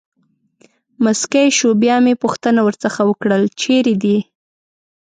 مسکی شو، بیا مې پوښتنه ورڅخه وکړل: چېرې دی.